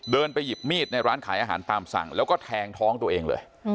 ไปหยิบมีดในร้านขายอาหารตามสั่งแล้วก็แทงท้องตัวเองเลย